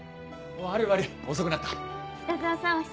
悪い悪い遅くなった北澤さん